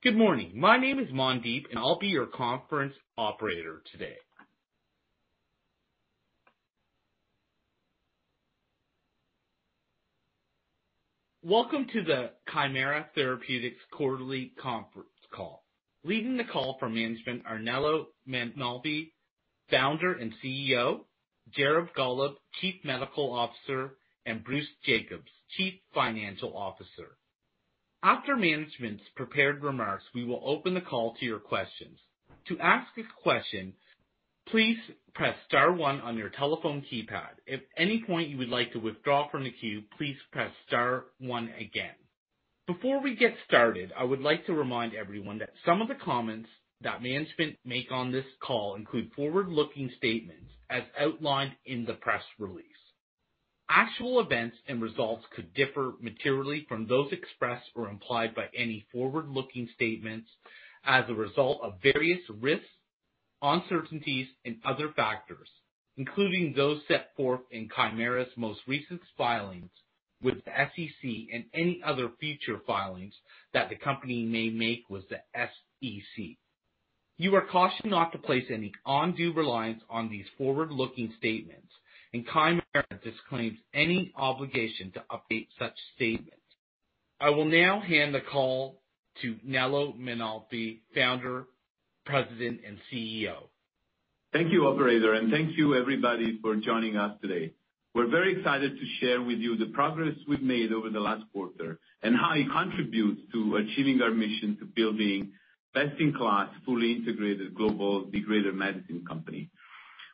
Good morning. My name is Mandeep, and I'll be your conference operator today. Welcome to the Kymera Therapeutics quarterly conference call. Leading the call for management are Nello Mainolfi, Founder and CEO, Jared Gollob, Chief Medical Officer, and Bruce Jacobs, Chief Financial Officer. After management's prepared remarks, we will open the call to your questions. To ask a question, please press star one on your telephone keypad. If at any point you would like to withdraw from the queue, please press star one again. Before we get started, I would like to remind everyone that some of the comments that management make on this call include forward-looking statements as outlined in the press release. Actual events and results could differ materially from those expressed or implied by any forward-looking statements as a result of various risks, uncertainties, and other factors, including those set forth in Kymera's most recent filings with the SEC and any other future filings that the company may make with the SEC. You are cautioned not to place any undue reliance on these forward-looking statements, and Kymera disclaims any obligation to update such statements. I will now hand the call to Nello Mainolfi, Founder, President, and CEO. Thank you, operator, and thank you everybody for joining us today. We're very excited to share with you the progress we've made over the last quarter and how it contributes to achieving our mission to building best-in-class, fully integrated global degrader medicine company.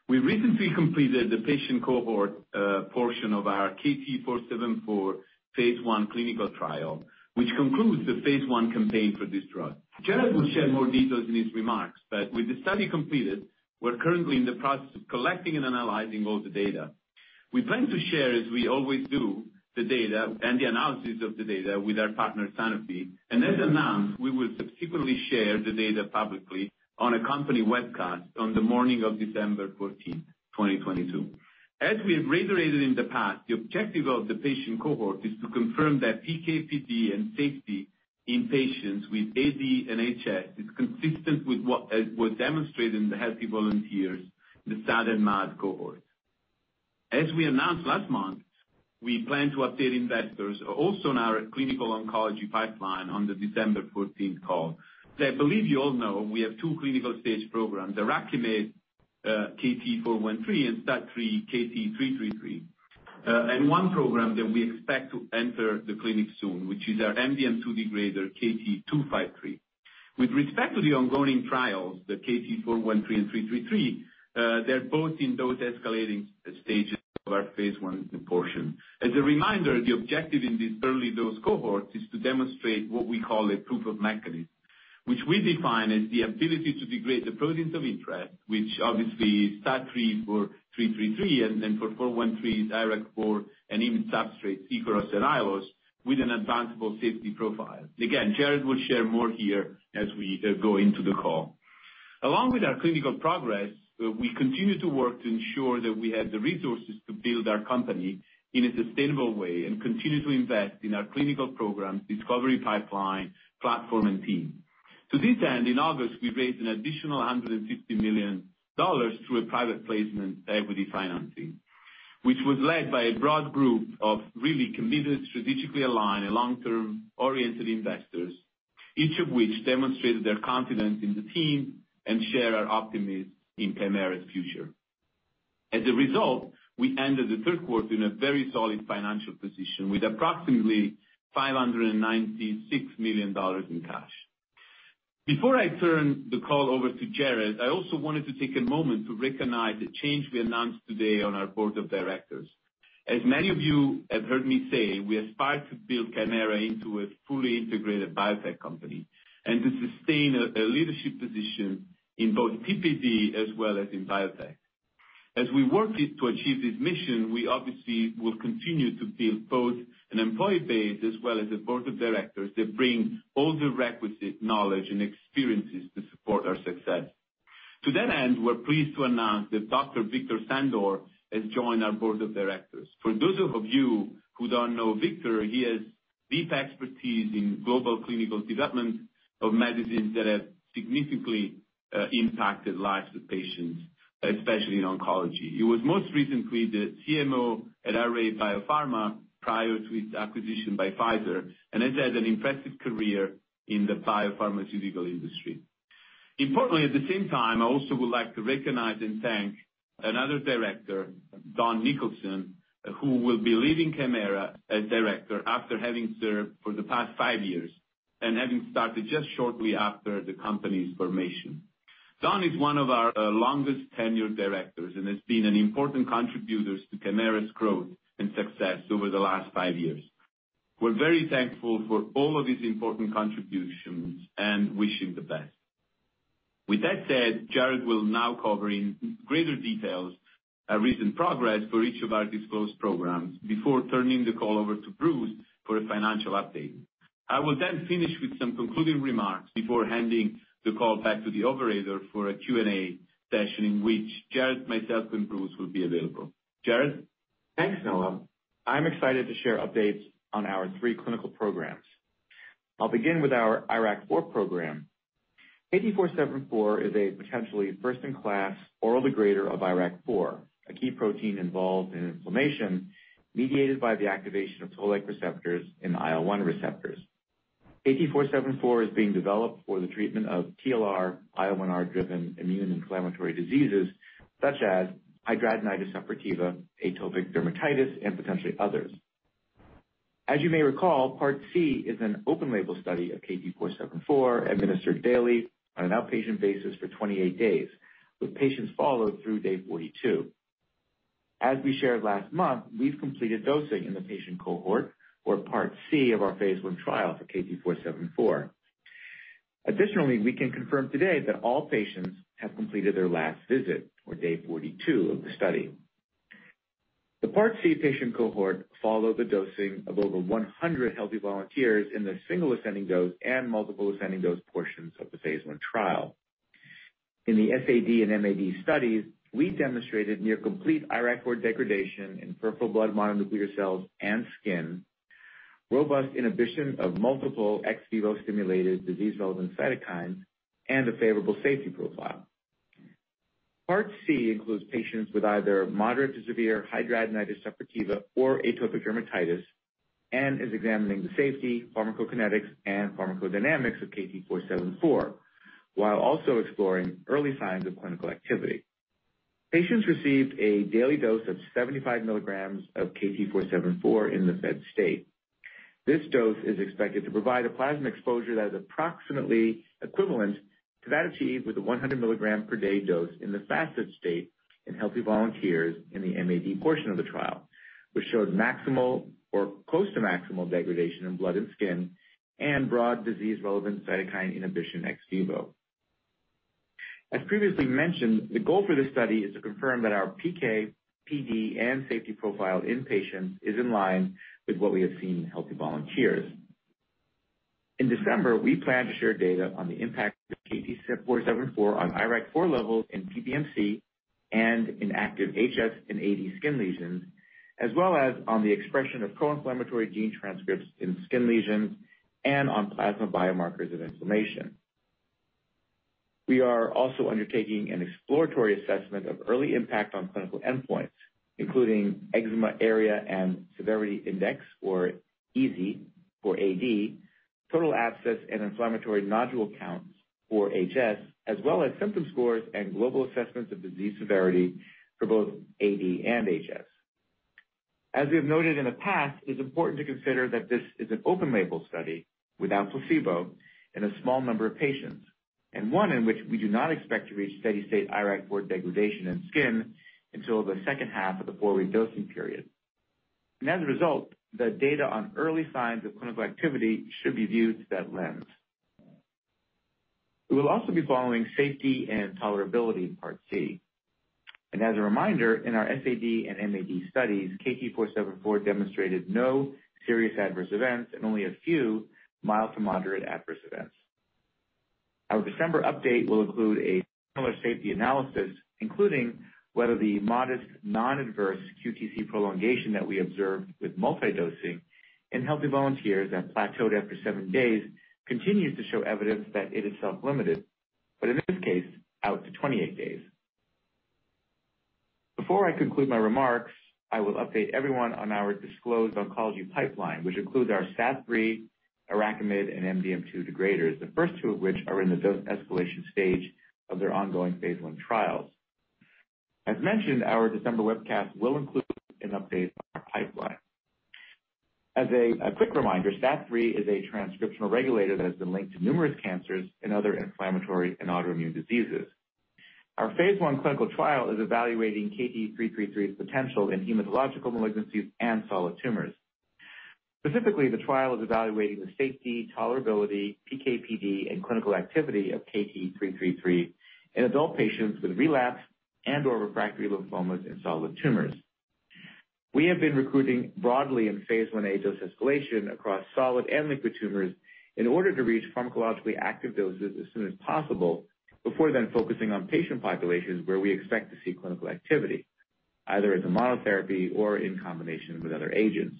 We recently completed the patient cohort portion of our KT-474 phase I clinical trial, which concludes the phase I campaign for this drug. Jared will share more details in his remarks, but with the study completed, we're currently in the process of collecting and analyzing all the data. We plan to share, as we always do, the data and the analysis of the data with our partner, Sanofi. As announced, we will subsequently share the data publicly on a company webcast on the morning of December 14th, 2022. As we have reiterated in the past, the objective of the patient cohort is to confirm that PK/PD and safety in patients with AD and HS is consistent with what was demonstrated in the healthy volunteers, the SAD and MAD cohort. As we announced last month, we plan to update investors also on our clinical oncology pipeline on the December 14th call. As I believe you all know, we have two clinical stage programs, the IRAKIMiD KT-413 and STAT3 KT-333. One program that we expect to enter the clinic soon, which is our MDM2 degrader, KT-253. With respect to the ongoing trials, the KT-413 and KT-333, they're both in those escalating stages of our phase I portion. As a reminder, the objective in these early dose cohorts is to demonstrate what we call a proof of mechanism, which we define as the ability to degrade the proteins of interest, which obviously is STAT3 for KT-333, and then for KT-413, IRAK4, and IMiD substrate Ikaros and Aiolos with an advanceable safety profile. Again, Jared will share more here as we go into the call. Along with our clinical progress, we continue to work to ensure that we have the resources to build our company in a sustainable way and continue to invest in our clinical program, discovery pipeline, platform, and team. To this end, in August, we raised an additional $150 million through a private placement equity financing, which was led by a broad group of really committed, strategically aligned, and long-term oriented investors, each of which demonstrated their confidence in the team and share our optimism in Kymera's future. As a result, we ended the third quarter in a very solid financial position with approximately $596 million in cash. Before I turn the call over to Jared, I also wanted to take a moment to recognize the change we announced today on our board of directors. As many of you have heard me say, we aspire to build Kymera into a fully integrated biotech company and to sustain a leadership position in both TPD as well as in biotech. As we work to achieve this mission, we obviously will continue to build both an employee base as well as a board of directors that bring all the requisite knowledge and experiences to support our success. To that end, we're pleased to announce that Dr. Victor Sandor has joined our board of directors. For those of you who don't know Victor, he has deep expertise in global clinical development of medicines that have significantly impacted lives of patients, especially in oncology. He was most recently the CMO at Array BioPharma prior to its acquisition by Pfizer, and has had an impressive career in the biopharmaceutical industry. Importantly, at the same time, I also would like to recognize and thank another director, Don Nicholson, who will be leaving Kymera as director after having served for the past five years and having started just shortly after the company's formation. Don is one of our longest tenured directors and has been an important contributor to Kymera's growth and success over the last five years. We're very thankful for all of his important contributions and wish him the best. With that said, Jared will now cover in greater details our recent progress for each of our disclosed programs before turning the call over to Bruce for a financial update. I will then finish with some concluding remarks before handing the call back to the operator for a Q&A session in which Jared, myself, and Bruce will be available. Jared? Thanks, Nello. I'm excited to share updates on our three clinical programs. I'll begin with our IRAK4 program. KT-four-seven-four is a potentially first-in-class oral degrader of IRAK4, a key protein involved in inflammation mediated by the activation of toll-like receptors and IL-1 receptors. KT-four-seven-four is being developed for the treatment of TLR/IL1R-driven immune inflammatory diseases such as hidradenitis suppurativa, atopic dermatitis, and potentially others. As you may recall, Part C is an open label study of KT-four-seven-four administered daily on an outpatient basis for 28 days, with patients followed through day 42. As we shared last month, we've completed dosing in the patient cohort for Part C of our phase I trial for KT-four-seven-four. Additionally, we can confirm today that all patients have completed their last visit or day 42 of the study. The Part C patient cohort followed the dosing of over 100 healthy volunteers in the single ascending dose and multiple ascending dose portions of the phase I trial. In the SAD and MAD studies, we demonstrated near complete IRAK4 degradation in peripheral blood mononuclear cells and skin, robust inhibition of multiple ex vivo stimulated disease-relevant cytokines, and a favorable safety profile. Part C includes patients with either moderate to severe hidradenitis suppurativa or atopic dermatitis, and is examining the safety, pharmacokinetics, and pharmacodynamics of KT-474, while also exploring early signs of clinical activity. Patients received a daily dose of 75 milligrams of KT-474 in the fed state. This dose is expected to provide a plasma exposure that is approximately equivalent to that achieved with a 100 mg per day dose in the fasted state in healthy volunteers in the MAD portion of the trial, which showed maximal or close to maximal degradation in blood and skin, and broad disease-relevant cytokine inhibition ex vivo. As previously mentioned, the goal for this study is to confirm that our PK, PD, and safety profile in patients is in line with what we have seen in healthy volunteers. In December, we plan to share data on the impact of KT-474 on IRAK4 levels in PBMC and in active HS and AD skin lesions, as well as on the expression of pro-inflammatory gene transcripts in skin lesions and on plasma biomarkers of inflammation. We are also undertaking an exploratory assessment of early impact on clinical endpoints, including eczema area and severity index or EASI for AD, total abscess and inflammatory nodule counts for HS, as well as symptom scores and global assessments of disease severity for both AD and HS. As we have noted in the past, it is important to consider that this is an open label study without placebo in a small number of patients, and one in which we do not expect to reach steady state IRAK4 degradation in skin until the second half of the four-week dosing period. As a result, the data on early signs of clinical activity should be viewed through that lens. We will also be following safety and tolerability in Part C. As a reminder, in our SAD and MAD studies, KT-474 demonstrated no serious adverse events and only a few mild to moderate adverse events. Our December update will include a similar safety analysis, including whether the modest non-adverse QTC prolongation that we observed with multi-dosing in healthy volunteers that plateaued after seven days continues to show evidence that it is self-limited, but in this case, out to 28 days. Before I conclude my remarks, I will update everyone on our disclosed oncology pipeline, which includes our STAT3, IRAKIMiD, and MDM2 degraders, the first two of which are in the dose escalation stage of their ongoing phase I trials. As mentioned, our December webcast will include an update on our pipeline. As a quick reminder, STAT3 is a transcriptional regulator that has been linked to numerous cancers and other inflammatory and autoimmune diseases. Our phase I clinical trial is evaluating KT-333's potential in hematological malignancies and solid tumors. Specifically, the trial is evaluating the safety, tolerability, PK/PD, and clinical activity of KT-333 in adult patients with relapsed and/or refractory lymphomas and solid tumors. We have been recruiting broadly in phase I-A dose escalation across solid and liquid tumors in order to reach pharmacologically active doses as soon as possible before then focusing on patient populations where we expect to see clinical activity, either as a monotherapy or in combination with other agents.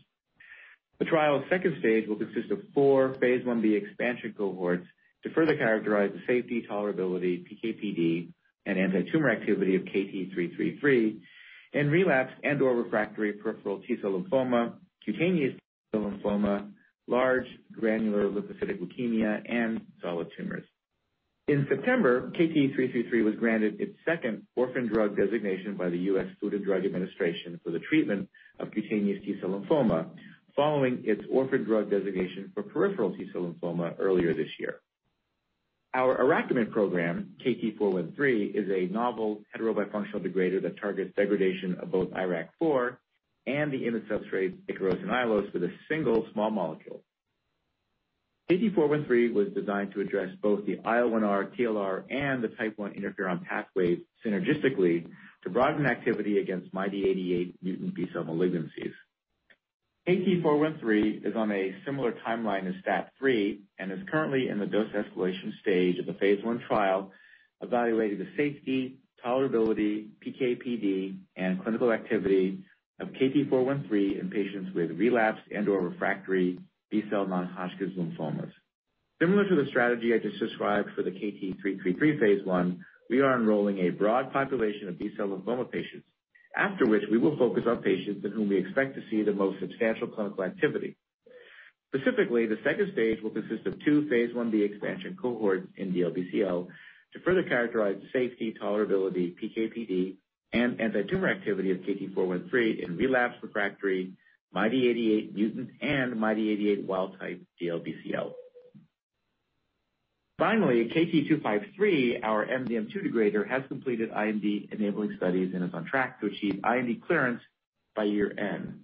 The trial's second stage will consist of four phase I-B expansion cohorts to further characterize the safety, tolerability, PK/PD, and antitumor activity of KT-333 in relapsed and/or refractory peripheral T-cell lymphoma, cutaneous T-cell lymphoma, large granular lymphocytic leukemia, and solid tumors. In September, KT-333 was granted its second orphan drug designation by the US Food and Drug Administration for the treatment of cutaneous T-cell lymphoma following its orphan drug designation for peripheral T-cell lymphoma earlier this year. Our IRAKIMiD program, KT-413, is a novel heterobifunctional degrader that targets degradation of both IRAK4 and the IMiD substrates Ikaros and Aiolos with a single small molecule. KT-413 was designed to address both the IL1R, TLR, and the type one interferon pathways synergistically to broaden activity against MYD88 mutant B-cell malignancies. KT-413 is on a similar timeline as STAT3 and is currently in the dose escalation stage of the phase I trial, evaluating the safety, tolerability, PK/PD, and clinical activity of KT-413 in patients with relapsed and/or refractory B-cell non-Hodgkin's lymphomas. Similar to the strategy I just described for the KT-333 phase I, we are enrolling a broad population of B-cell lymphoma patients, after which we will focus on patients in whom we expect to see the most substantial clinical activity. Specifically, the second stage will consist of two phase I-B expansion cohorts in DLBCL to further characterize safety, tolerability, PK/PD, and anti-tumor activity of KT-413 in relapsed refractory MYD88 mutant and MYD88 wild-type DLBCL. Finally, KT-253, our MDM2 degrader, has completed IND-enabling studies and is on track to achieve IND clearance by year-end.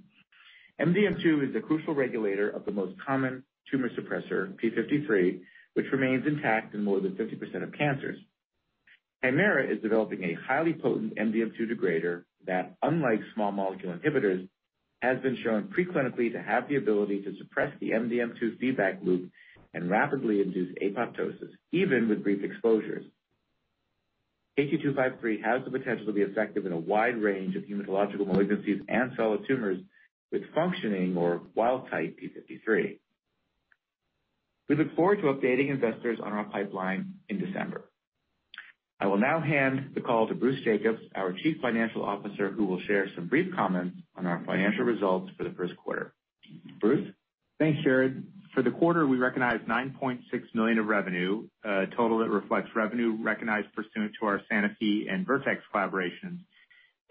MDM2 is a crucial regulator of the most common tumor suppressor, p53, which remains intact in more than 50% of cancers. Kymera is developing a highly potent MDM2 degrader that, unlike small molecule inhibitors, has been shown pre-clinically to have the ability to suppress the MDM2 feedback loop and rapidly induce apoptosis, even with brief exposures. KT253 has the potential to be effective in a wide range of hematological malignancies and solid tumors with functioning or wild-type P53. We look forward to updating investors on our pipeline in December. I will now hand the call to Bruce Jacobs, our Chief Financial Officer, who will share some brief comments on our financial results for the first quarter. Bruce. Thanks, Jared. For the quarter, we recognized $9.6 million of revenue, a total that reflects revenue recognized pursuant to our Sanofi and Vertex collaboration.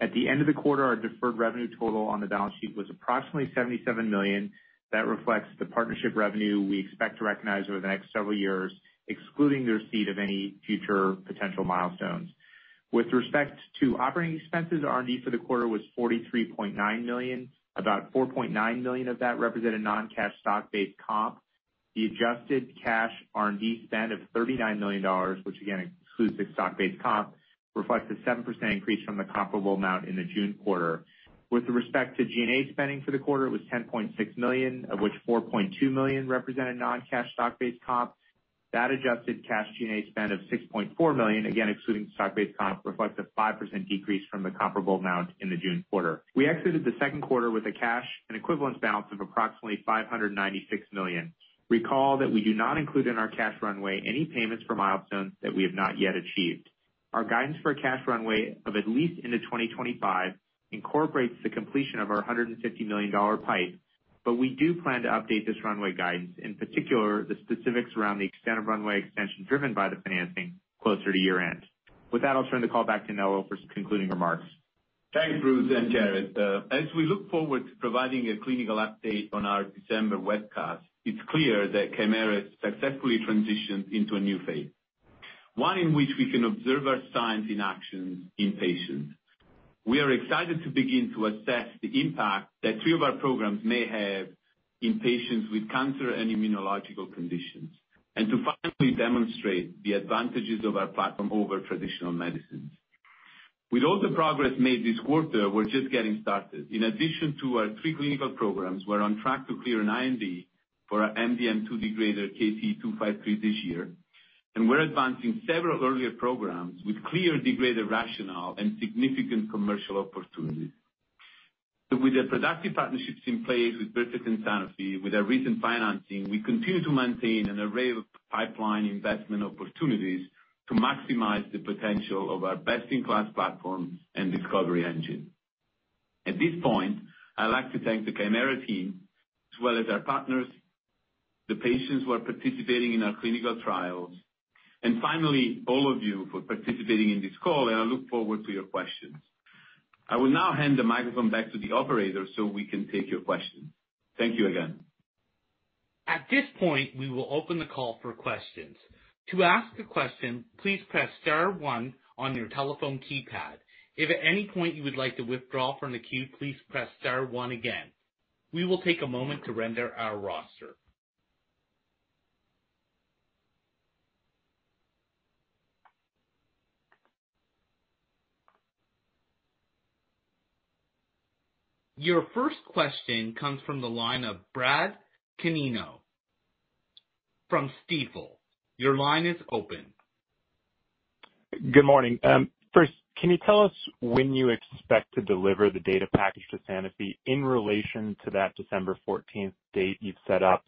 At the end of the quarter, our deferred revenue total on the balance sheet was approximately $77 million. That reflects the partnership revenue we expect to recognize over the next several years, excluding the receipt of any future potential milestones. With respect to operating expenses, R&D for the quarter was $43.9 million. About $4.9 million of that represented non-cash stock-based comp. The adjusted cash R&D spend of $39 million, which again excludes the stock-based comp, reflects a 7% increase from the comparable amount in the June quarter. With respect to G&A spending for the quarter, it was $10.6 million, of which $4.2 million represented non-cash stock-based comp. That adjusted cash G&A spend of $6.4 million, again excluding stock-based comp, reflects a 5% decrease from the comparable amount in the June quarter. We exited the second quarter with a cash and cash equivalents balance of approximately $596 million. Recall that we do not include in our cash runway any payments for milestones that we have not yet achieved. Our guidance for a cash runway of at least into 2025 incorporates the completion of our $150 million PIPE, but we do plan to update this runway guidance, in particular, the specifics around the extent of runway extension driven by the financing closer to year-end. With that, I'll turn the call back to Nello for some concluding remarks. Thanks, Bruce and Jared. As we look forward to providing a clinical update on our December webcast, it's clear that Kymera has successfully transitioned into a new phase, one in which we can observe our science in action in patients. We are excited to begin to assess the impact that three of our programs may have in patients with cancer and immunological conditions, and to finally demonstrate the advantages of our platform over traditional medicines. With all the progress made this quarter, we're just getting started. In addition to our three clinical programs, we're on track to clear an IND for our MDM2 degrader, KT253, this year. We're advancing several earlier programs with clear degrader rationale and significant commercial opportunities. With the productive partnerships in place with Vertex and Sanofi, with our recent financing, we continue to maintain an array of pipeline investment opportunities to maximize the potential of our best-in-class platform and discovery engine. At this point, I'd like to thank the Kymera team, as well as our partners, the patients who are participating in our clinical trials, and finally, all of you for participating in this call, and I look forward to your questions. I will now hand the microphone back to the operator so we can take your questions. Thank you again. At this point, we will open the call for questions. To ask a question, please press star one on your telephone keypad. If at any point you would like to withdraw from the queue, please press star one again. We will take a moment to render our roster. Your first question comes from the line of Brad Canino from Stifel. Your line is open. Good morning. First, can you tell us when you expect to deliver the data package to Sanofi in relation to that December 14th date you've set up?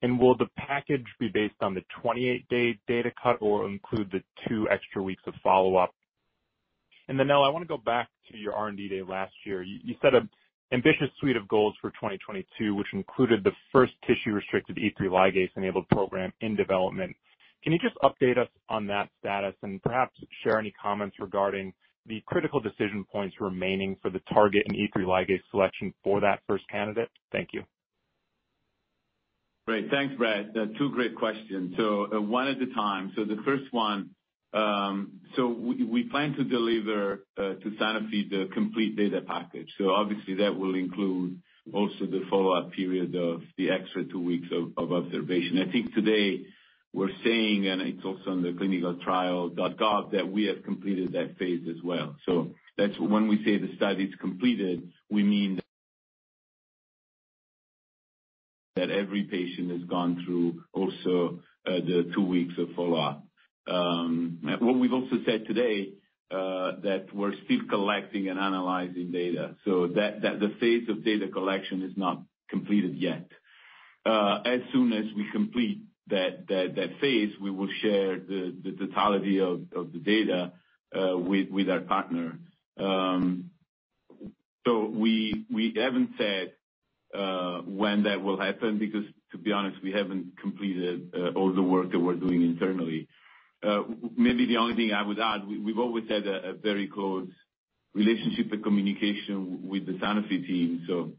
Will the package be based on the 28-day data cut or include the two extra weeks of follow-up? Nello, I wanna go back to your R&D day last year. You set an ambitious suite of goals for 2022, which included the first tissue-restricted E3 ligase-enabled program in development. Can you just update us on that status and perhaps share any comments regarding the critical decision points remaining for the target and E3 ligase selection for that first candidate? Thank you. Great. Thanks, Brad. Two great questions. One at a time. The first one, we plan to deliver to Sanofi the complete data package. Obviously that will include also the follow-up period of the extra two weeks of observation. I think today we're saying, and it's also on the ClinicalTrials.gov, that we have completed that phase as well. That's when we say the study's completed, we mean that every patient has gone through also the two weeks of follow-up. What we've also said today that we're still collecting and analyzing data. That the phase of data collection is not completed yet. As soon as we complete that phase, we will share the totality of the data with our partner. We haven't said when that will happen because, to be honest, we haven't completed all the work that we're doing internally. Maybe the only thing I would add, we've always had a very close relationship and communication with the Sanofi team.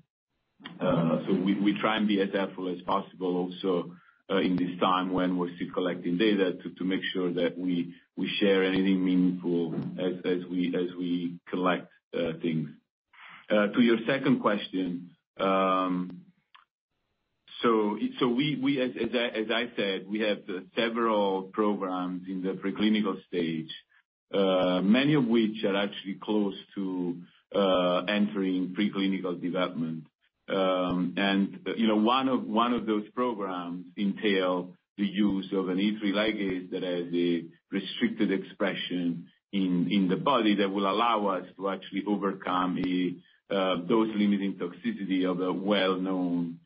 We try and be as careful as possible also, in this time when we're still collecting data to make sure that we share anything meaningful as we collect things. To your second question, as I said, we have several programs in the preclinical stage, many of which are actually close to entering preclinical development. You know, one of those programs entail the use of an E3 ligase that has a restricted expression in the body that will allow us to actually overcome those limiting toxicity of a well-known oncology target.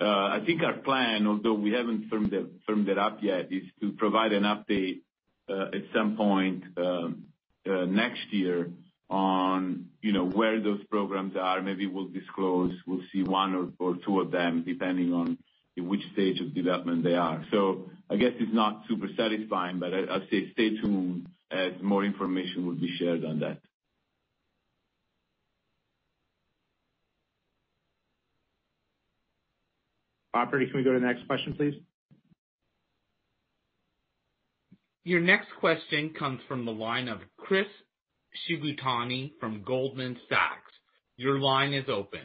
I think our plan, although we haven't firmed it up yet, is to provide an update at some point next year on where those programs are. Maybe we'll disclose one or two of them, depending on in which stage of development they are. I guess it's not super satisfying, but I'd say stay tuned as more information will be shared on that. Operator, can we go to the next question, please? Your next question comes from the line of Chris Shibutani from Goldman Sachs. Your line is open.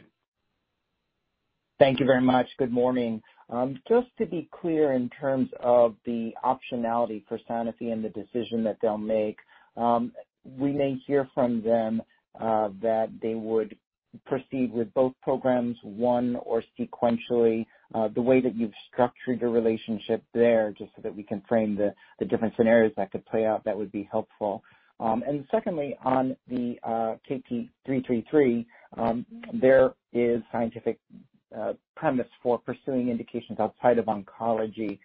Thank you very much. Good morning. Just to be clear in terms of the optionality for Sanofi and the decision that they'll make, we may hear from them that they would proceed with both programs, one or sequentially, the way that you've structured your relationship there, just so that we can frame the different scenarios that could play out, that would be helpful. Secondly, on the KT-333, there is scientific premise for pursuing indications outside of oncology.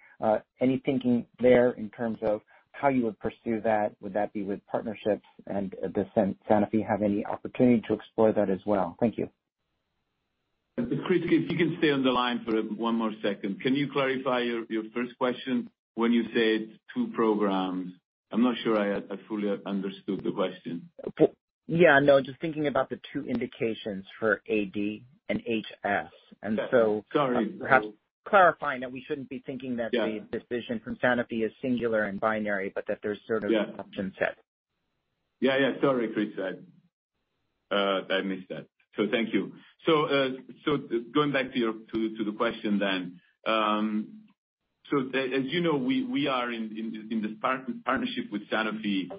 Any thinking there in terms of how you would pursue that? Would that be with partnerships and does Sanofi have any opportunity to explore that as well? Thank you. Chris, if you can stay on the line for one more second. Can you clarify your first question when you said two programs? I'm not sure I fully understood the question. Yeah, no, just thinking about the two indications for AD and HS. Sorry. Perhaps clarifying that we shouldn't be thinking that. Yeah. the decision from Sanofi is singular and binary, but that there's sort of Yeah. an option set. Sorry, Chris. I missed that. Thank you. Going back to the question then. As you know, we are in this partnership with Sanofi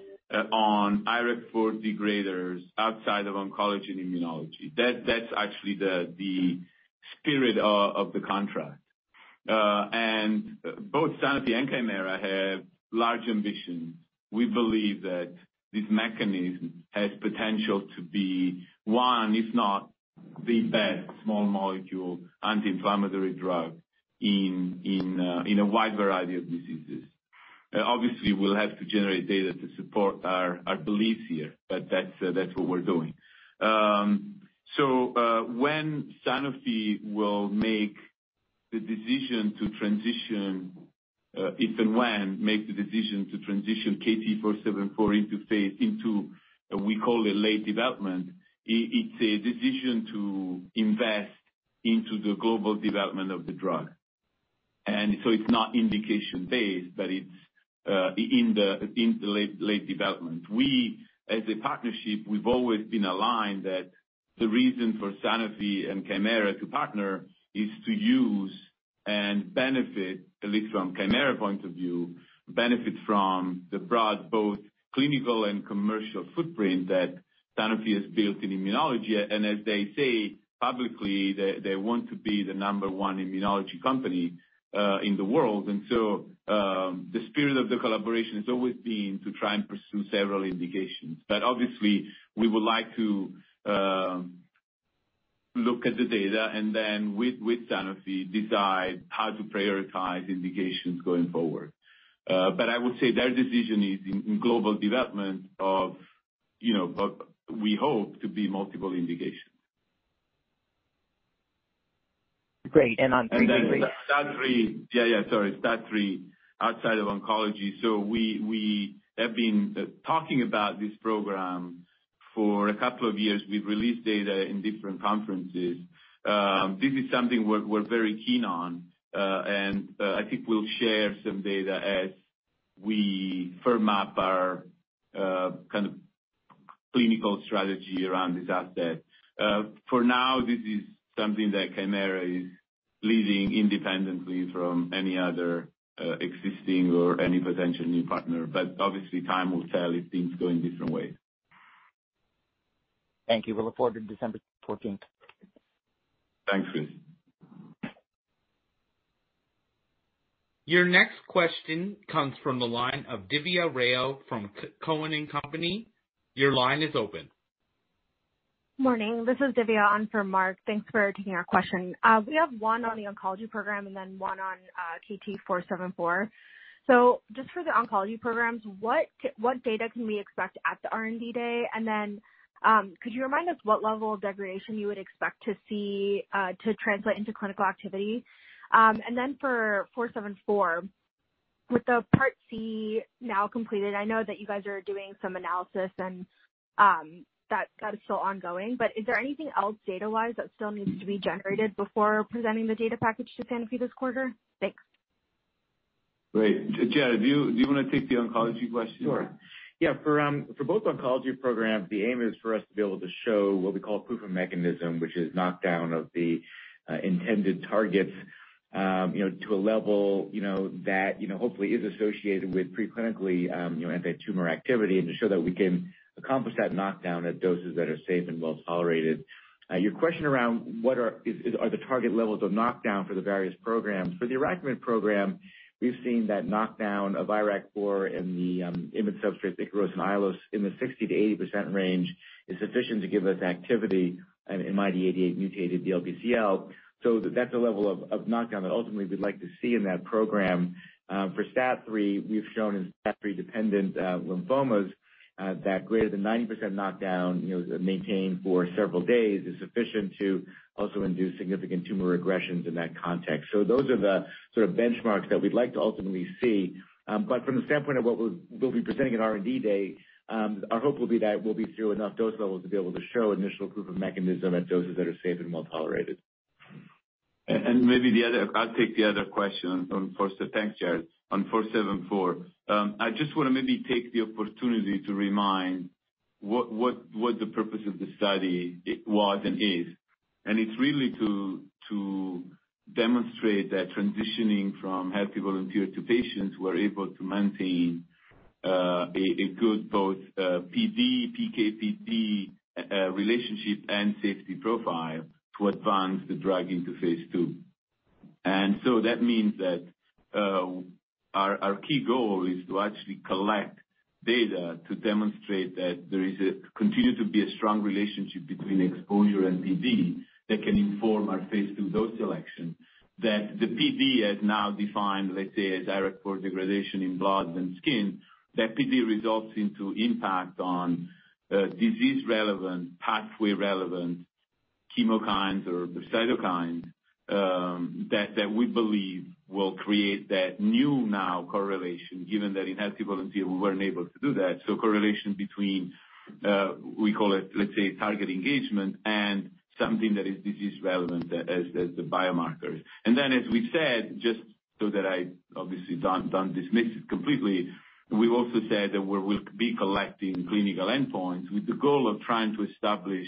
on IRAKIMiD for degraders outside of oncology and immunology. That's actually the spirit of the contract. Both Sanofi and Kymera have large ambitions. We believe that this mechanism has potential to be one, if not the best small molecule anti-inflammatory drug in a wide variety of diseases. Obviously, we'll have to generate data to support our beliefs here, but that's what we're doing. When Sanofi will make the decision to transition, if and when make the decision to transition KT-474 into phase, we call it late development, it's a decision to invest into the global development of the drug. It's not indication-based, but it's in the late development. We, as a partnership, we've always been aligned that the reason for Sanofi and Kymera to partner is to use and benefit, at least from Kymera point of view, from the broad, both clinical and commercial footprint that Sanofi has built in immunology. As they say publicly, they want to be the number one immunology company in the world. The spirit of the collaboration has always been to try and pursue several indications. Obviously, we would like to look at the data and then with Sanofi, decide how to prioritize indications going forward. I would say their decision is in global development of, you know, but we hope to be multiple indications. Great. On three- STAT3. Yeah, sorry, STAT3 outside of oncology. We have been talking about this program for a couple of years. We've released data in different conferences. This is something we're very keen on. I think we'll share some data as we firm up our kind of clinical strategy around this asset. For now, this is something that Kymera leading independently from any other existing or any potential new partner. Obviously, time will tell if things go in different ways. Thank you. We look forward to December 14th. Thanks, Chris. Your next question comes from the line of Divya Rao from Cowen Inc. Your line is open. Morning, this is Divya on for Mark. Thanks for taking our question. We have one on the oncology program and then one on KT-474. Just for the oncology programs, what data can we expect at the R&D day? Could you remind us what level of degradation you would expect to see to translate into clinical activity? For KT-474, with the Part C now completed, I know that you guys are doing some analysis and that is still ongoing, but is there anything else data-wise that still needs to be generated before presenting the data package to Sanofi this quarter? Thanks. Great. Jared, do you wanna take the oncology question? Sure. Yeah, for both oncology programs, the aim is for us to be able to show what we call proof of mechanism, which is knockdown of the intended targets, you know, to a level, you know, that, you know, hopefully is associated with preclinically, you know, anti-tumor activity, and to show that we can accomplish that knockdown at doses that are safe and well-tolerated. Your question around what are the target levels of knockdown for the various programs. For the IRAK program, we've seen that knockdown of IRAK4 in the IMiD substrate Ikaros and Aiolos in the 60%-80% range is sufficient to give us activity in MYD88 mutated DLBCL. That's a level of knockdown that ultimately we'd like to see in that program. For STAT3, we've shown in STAT3 dependent lymphomas that greater than 90% knockdown, you know, maintained for several days is sufficient to also induce significant tumor regressions in that context. Those are the sort of benchmarks that we'd like to ultimately see. From the standpoint of what we'll be presenting at R&D Day, our hope will be that we'll be through enough dose levels to be able to show initial proof of mechanism at doses that are safe and well-tolerated. I'll take the other question. Thanks, Jared. On 474, I just wanna take the opportunity to remind what the purpose of the study it was and is. It's really to demonstrate that transitioning from healthy volunteer to patients, we're able to maintain a good both PD, PK/PD relationship and safety profile to advance the drug into phase II. That means that our key goal is to actually collect data to demonstrate that there continues to be a strong relationship between exposure and PD that can inform our phase II dose selection. That the PD as now defined, let's say, as direct for degradation in blood and skin, that PD results into impact on, disease relevant, pathway relevant chemokines or cytokines, that we believe will create that new now correlation, given that in healthy volunteer we weren't able to do that. Correlation between, we call it, let's say, target engagement and something that is disease relevant as the biomarkers. As we said, just so that I obviously don't dismiss it completely, we've also said that we'll be collecting clinical endpoints with the goal of trying to establish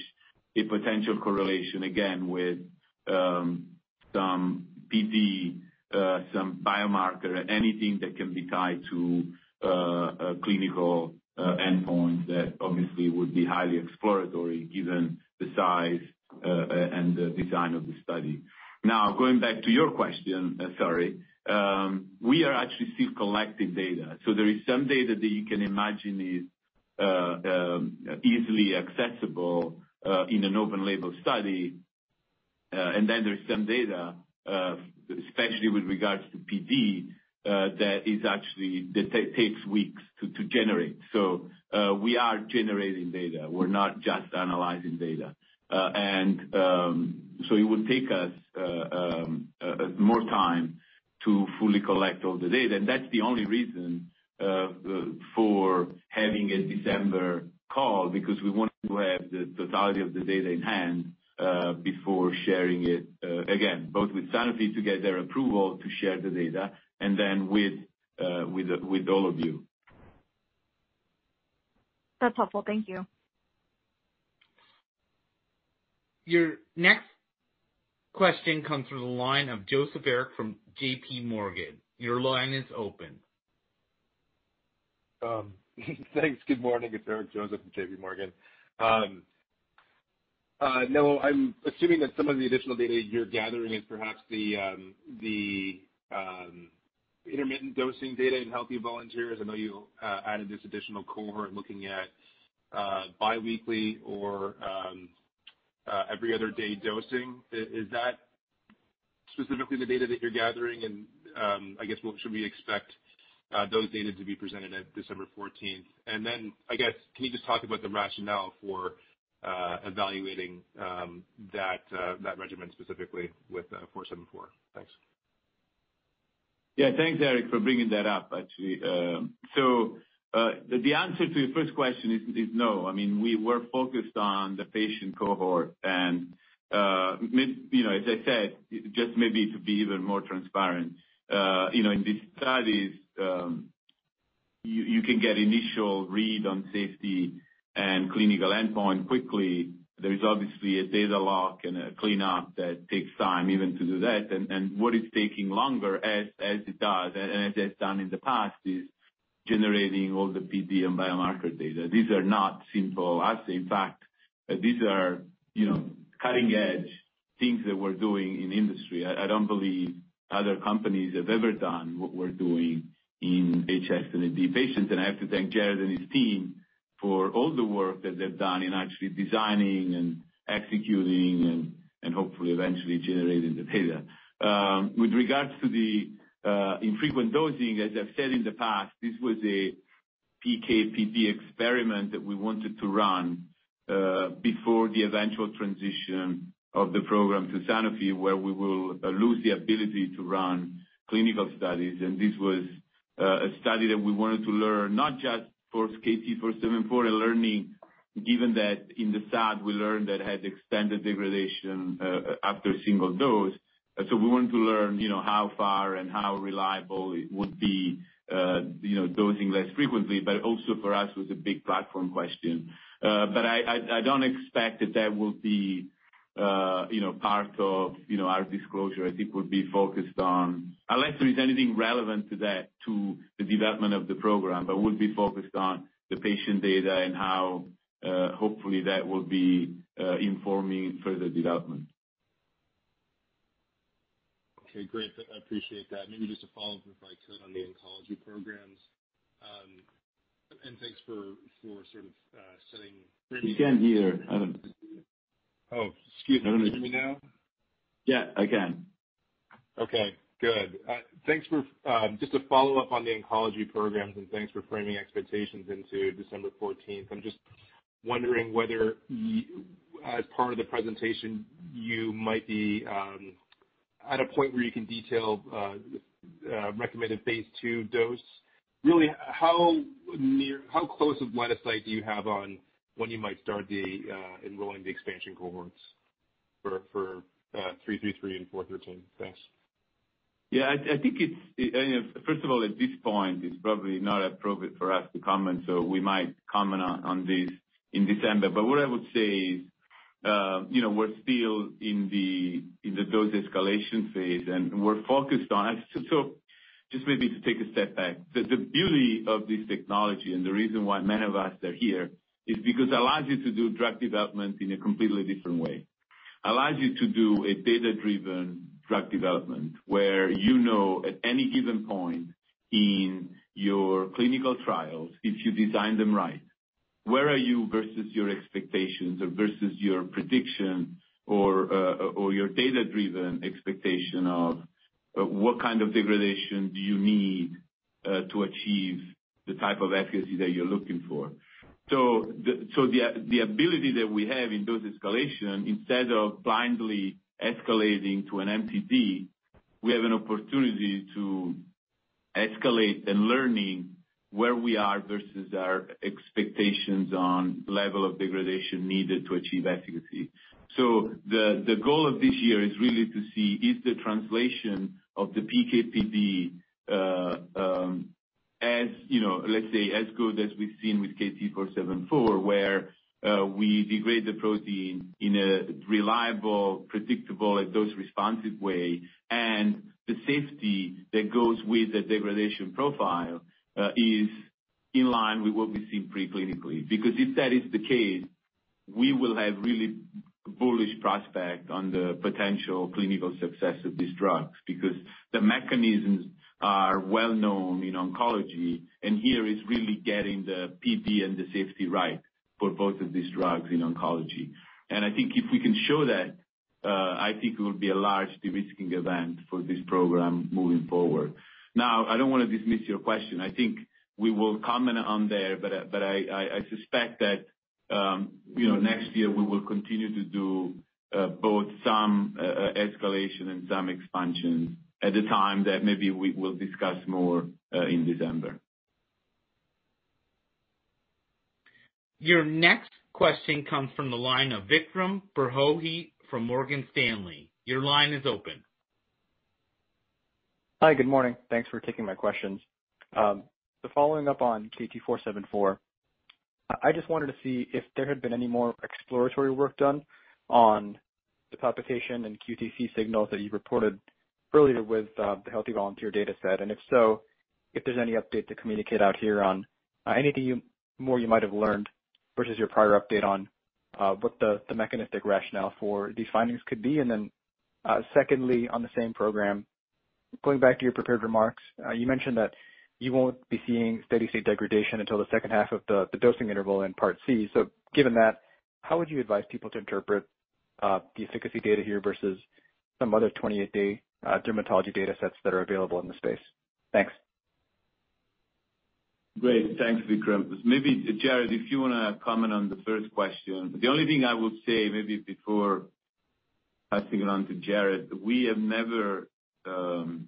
a potential correlation again with, some PD, some biomarker, anything that can be tied to, a clinical endpoint that obviously would be highly exploratory given the size, and the design of the study. Now going back to your question, sorry. We are actually still collecting data. There is some data that you can imagine is easily accessible in an open label study. Then there's some data, especially with regards to PD, that actually takes weeks to generate. We are generating data. We're not just analyzing data. It would take us more time to fully collect all the data. That's the only reason for having a December call, because we want to have the totality of the data in hand before sharing it again, both with Sanofi to get their approval to share the data and then with all of you. That's helpful. Thank you. Your next question comes from the line of Eric Joseph from JPMorgan. Your line is open. Thanks. Good morning. It's Eric Joseph from JPMorgan. Now I'm assuming that some of the additional data you're gathering is perhaps the intermittent dosing data in healthy volunteers. I know you added this additional cohort looking at biweekly or every other day dosing. Is that specifically the data that you're gathering? I guess, what should we expect those data to be presented at December 14th? I guess, can you just talk about the rationale for evaluating that regimen specifically with 474? Thanks. Yeah, thanks, Eric, for bringing that up actually. So, the answer to your first question is no. I mean, we were focused on the patient cohort and you know, as I said, just maybe to be even more transparent, you know, in these studies, you can get initial read on safety and clinical endpoint quickly. There is obviously a data lock and a cleanup that takes time even to do that. What is taking longer, as it does and as it's done in the past, is generating all the PD and biomarker data. These are not simple assays. In fact, these are, you know, cutting-edge things that we're doing in industry. I don't believe other companies have ever done what we're doing in HS and AD patients. I have to thank Jared and his team for all the work that they've done in actually designing and executing and hopefully eventually generating the data. With regards to the infrequent dosing, as I've said in the past, this was a PK/PD experiment that we wanted to run before the eventual transition of the program to Sanofi, where we will lose the ability to run clinical studies. This was a study that we wanted to learn, not just for KT-474 and learning, given that in the SAD we learned that it had extended degradation after a single dose. We want to learn, you know, how far and how reliable it would be, you know, dosing less frequently, but also for us was a big platform question. I don't expect that will be, you know, part of, you know, our disclosure. I think we'll be focused on, unless there is anything relevant to that, to the development of the program, but we'll be focused on the patient data and how, hopefully that will be, informing further development. Okay, great. I appreciate that. Maybe just a follow-up, if I could, on the oncology programs. Thanks for sort of setting- We can't hear, Eric. Oh, excuse me. Can you hear me now? Yeah, I can. Okay, good. Thanks for just to follow up on the oncology programs, and thanks for framing expectations into December 14th. I'm just wondering whether as part of the presentation, you might be at a point where you can detail recommended phase II dose. How close of line of sight do you have on when you might start enrolling the expansion cohorts for 333 and 413? Thanks. I think it's, you know, first of all, at this point, it's probably not appropriate for us to comment, so we might comment on this in December. What I would say is, you know, we're still in the dose escalation phase, and we're focused on it. Just maybe to take a step back. The beauty of this technology and the reason why many of us are here is because it allows you to do drug development in a completely different way. It allows you to do a data-driven drug development where you know at any given point in your clinical trials, if you design them right, where are you versus your expectations or versus your prediction or your data-driven expectation of what kind of degradation do you need to achieve the type of efficacy that you're looking for. The ability that we have in dose escalation, instead of blindly escalating to an MTD, we have an opportunity to escalate and learning where we are versus our expectations on level of degradation needed to achieve efficacy. The goal of this year is really to see is the translation of the PK/PD, you know, let's say as good as we've seen with KT-474, where we degrade the protein in a reliable, predictable, and dose-responsive way. The safety that goes with the degradation profile is in line with what we've seen pre-clinically. If that is the case, we will have really bullish prospect on the potential clinical success of these drugs, because the mechanisms are well known in oncology, and here it's really getting the PD and the safety right for both of these drugs in oncology. I think if we can show that, I think it will be a large de-risking event for this program moving forward. Now, I don't wanna dismiss your question. I think we will comment on that, but I suspect that, you know, next year we will continue to do both some escalation and some expansion at a time that maybe we will discuss more in December. Your next question comes from the line of Vikram Purohit from Morgan Stanley. Your line is open. Hi, good morning. Thanks for taking my questions. Following up on KT-474, I just wanted to see if there had been any more exploratory work done on the palpitations and QTC signals that you reported earlier with the healthy volunteer data set. If so, if there's any update to communicate out here on anything more you might have learned versus your prior update on what the mechanistic rationale for these findings could be. Secondly, on the same program, going back to your prepared remarks, you mentioned that you won't be seeing steady-state degradation until the second half of the dosing interval in Part C.Given that, how would you advise people to interpret the efficacy data here versus some other 28-day dermatology data sets that are available in the space? Thanks. Great. Thanks, Vikram. Maybe Jared, if you wanna comment on the first question. The only thing I would say maybe before passing it on to Jared, we have never drawn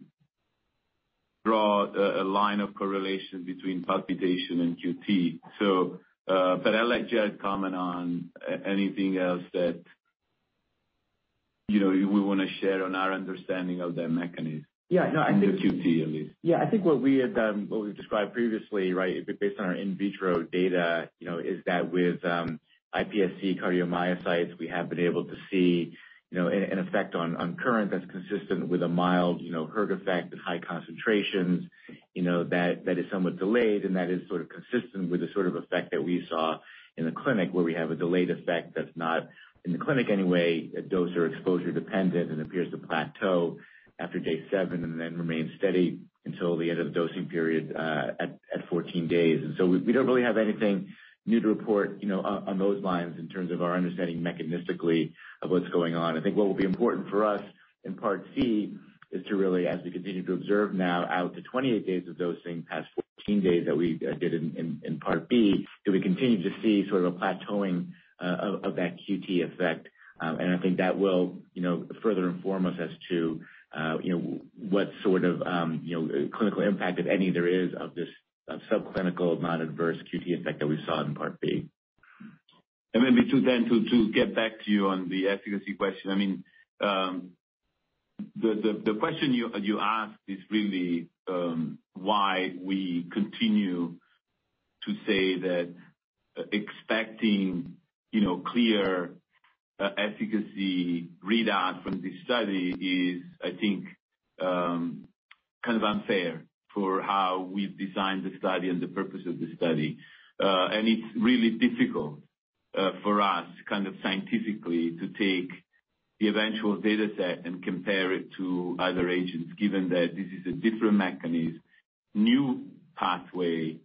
a line of correlation between palpitations and QT, so, but I'll let Jared comment on anything else that you know, we want to share on our understanding of that mechanism. Yeah, no, I think. The QT at least. Yeah. I think what we have done, what we've described previously, right, based on our in vitro data, you know, is that with iPSC cardiomyocytes, we have been able to see, you know, an effect on current that's consistent with a mild, you know, hERG effect at high concentrations, you know, that is somewhat delayed and that is sort of consistent with the sort of effect that we saw in the clinic where we have a delayed effect that's not, in the clinic anyway, a dose or exposure dependent and appears to plateau after day seven and then remains steady until the end of the dosing period at 14 days. We don't really have anything new to report, you know, on those lines in terms of our understanding mechanistically of what's going on. I think what will be important for us in Part C is to really, as we continue to observe now out to 28 days of dosing past 14 days that we did in Part B, do we continue to see sort of a plateauing of that QTC effect? I think that will, you know, further inform us as to, you know, what sort of, you know, clinical impact, if any, there is of this subclinical non-adverse QTC effect that we saw in Part B. Maybe to get back to you on the efficacy question. I mean, the question you asked is really kind of unfair for how we've designed the study and the purpose of the study. It's really difficult for us kind of scientifically to take the eventual dataset and compare it to other agents, given that this is a different mechanism, new pathway,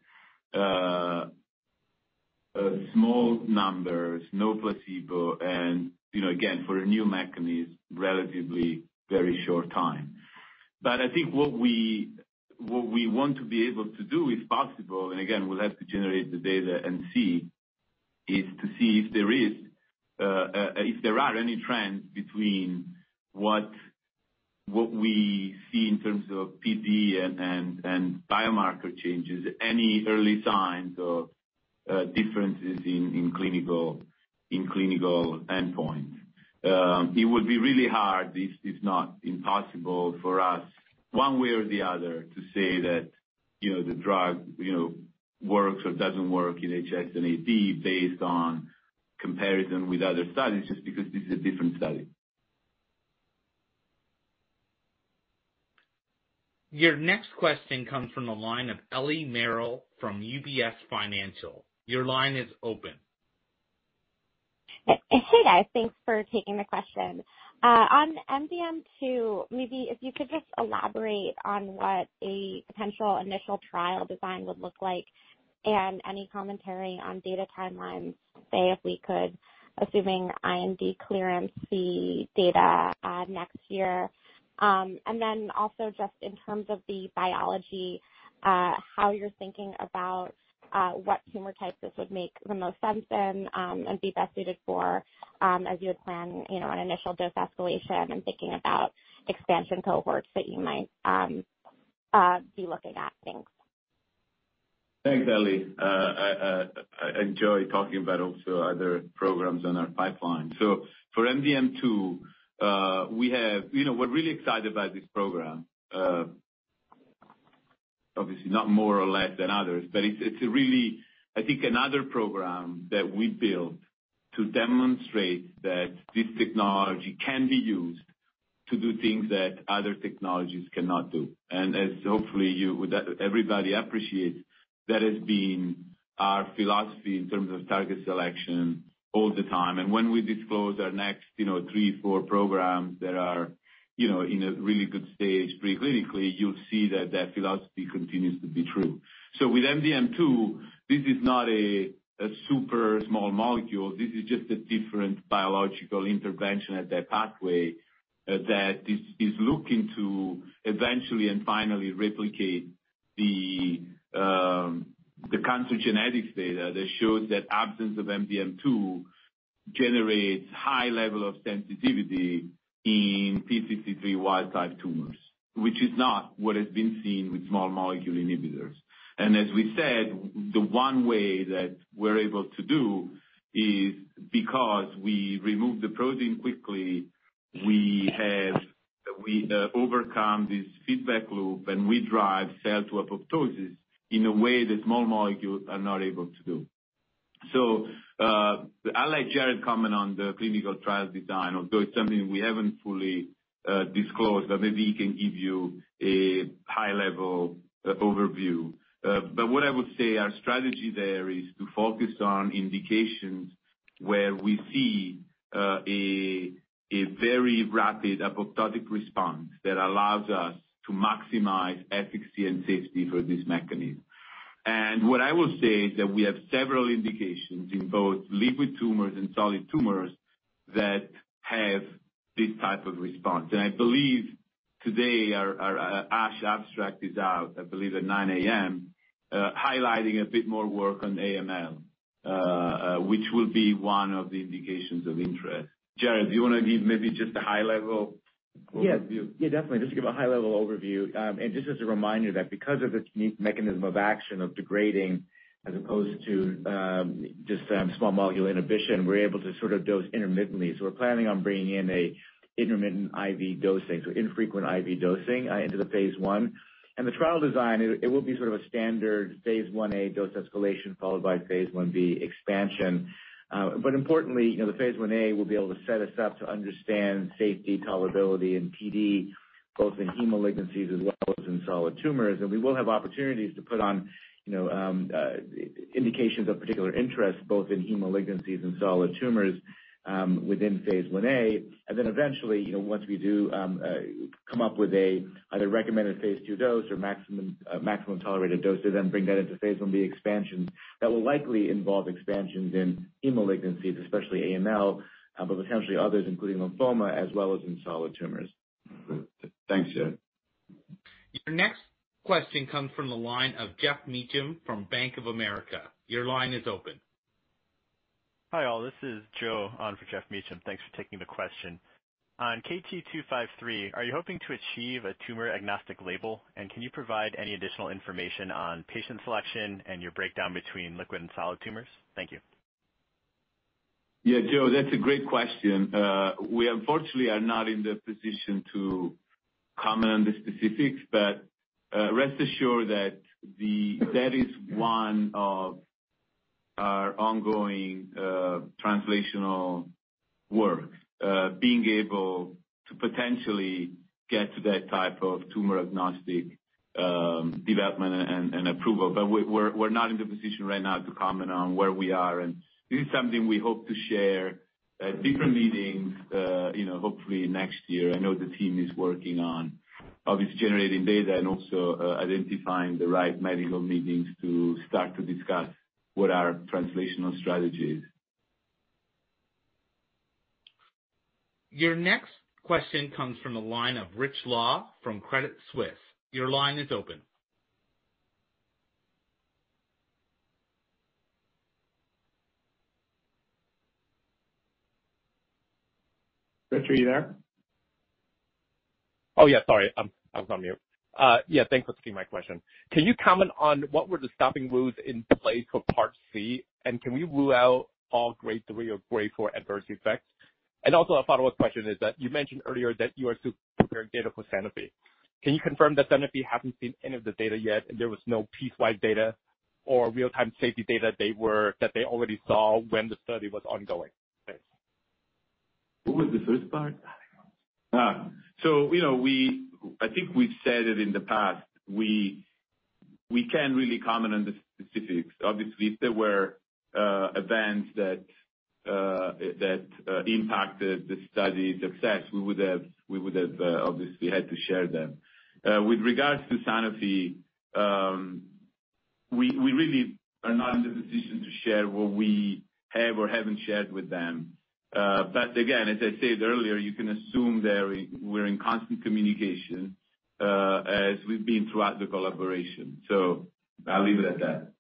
small numbers, no placebo, and you know, again, for a new mechanism, relatively very short time. I think what we want to be able to do if possible, and again, we'll have to generate the data and see, is to see if there are any trends between what we see in terms of PD and biomarker changes, any early signs of differences in clinical endpoint. It would be really hard, if not impossible for us one way or the other to say that, you know, the drug, you know, works or doesn't work in HS and AD based on comparison with other studies just because this is a different study. Your next question comes from the line of Ellie Merle from UBS Securities. Your line is open. Hey, guys. Thanks for taking the question. On MDM2, maybe if you could just elaborate on what a potential initial trial design would look like and any commentary on data timelines, say if we could, assuming IND clearance, the data next year. Then also just in terms of the biology, how you're thinking about what tumor type this would make the most sense in and be best suited for as you would plan, you know, an initial dose escalation and thinking about expansion cohorts that you might be looking at. Thanks. Thanks, Ellie. I enjoy talking about also other programs on our pipeline. For MDM2, you know, we're really excited about this program. Obviously not more or less than others, but it's really, I think another program that we built to demonstrate that this technology can be used to do things that other technologies cannot do. As hopefully you would, everybody appreciates, that has been our philosophy in terms of target selection all the time. When we disclose our next, you know, three, four programs that are, you know, in a really good stage preclinically, you'll see that that philosophy continues to be true. With MDM2, this is not a super small molecule. This is just a different biological intervention at that pathway, that is looking to eventually and finally replicate the cancer genetics data that shows that absence of MDM2 generates high level of sensitivity in p53 wild-type tumors, which is not what has been seen with small molecule inhibitors. As we said, the one way that we're able to do is because we remove the protein quickly, we overcome this feedback loop and we drive cell to apoptosis in a way that small molecules are not able to do. I'll let Jared comment on the clinical trial design, although it's something we haven't fully disclosed, but maybe he can give you a high-level overview. What I would say our strategy there is to focus on indications where we see a very rapid apoptotic response that allows us to maximize efficacy and safety for this mechanism. What I will say is that we have several indications in both liquid tumors and solid tumors that have this type of response. I believe today our ASH abstract is out, I believe at 9:00 A.M., highlighting a bit more work on AML, which will be one of the indications of interest. Jared, do you wanna give maybe just a high level? Yeah. Yeah, definitely. Just to give a high level overview, and just as a reminder that because of its unique mechanism of action of degrading as opposed to, just, small molecule inhibition, we're able to sort of dose intermittently. We're planning on bringing in a intermittent IV dosing, infrequent IV dosing, into the phase I. The trial design, it will be sort of a standard phase I-A dose escalation, followed by phase I-B expansion. Importantly, you know, the phase I-A will be able to set us up to understand safety, tolerability, and PD, both in hem malignancies as well as in solid tumors. We will have opportunities to put on, you know, indications of particular interest both in hem malignancies and solid tumors, within phase I-A. Eventually, you know, once we do come up with either recommended phase II dose or maximum tolerated dose to then bring that into phase I-B expansion, that will likely involve expansions in hem malignancies, especially AML, but potentially others, including lymphoma, as well as in solid tumors. Mm-hmm. Thanks, Jared. Your next question comes from the line of Geoff Meacham from Bank of America. Your line is open. Hi, all. This is Joe on for Geoff Meacham, thanks for taking the question. On KT-253, are you hoping to achieve a tumor-agnostic label? And can you provide any additional information on patient selection and your breakdown between liquid and solid tumors? Thank you. Yeah, Joe, that's a great question. We unfortunately are not in the position to comment on the specifics, but rest assured that that is one of our ongoing translational work, being able to potentially get to that type of tumor-agnostic development and approval. But we're not in the position right now to comment on where we are, and this is something we hope to share at different meetings, you know, hopefully next year. I know the team is working on, obviously, generating data and also identifying the right medical meetings to start to discuss what our translational strategy is. Your next question comes from the line of Rich Law from Credit Suisse. Your line is open. Rich, are you there? Oh, yeah, sorry. I was on mute. Yeah, thanks for taking my question. Can you comment on what were the stopping rules in place for Part C, and can we rule out all grade three or grade four adverse effects? Also a follow-up question is that you mentioned earlier that you are still preparing data for Sanofi. Can you confirm that Sanofi haven't seen any of the data yet, and there was no piecewise data or real-time safety data that they already saw when the study was ongoing? Thanks. What was the first part? You know, I think we've said it in the past, we can't really comment on the specifics. Obviously, if there were events that impacted the study's success, we would have obviously had to share them. With regards to Sanofi, we really are not in the position to share what we have or haven't shared with them. Again, as I said earlier, you can assume we're in constant communication as we've been throughout the collaboration. I'll leave it at that.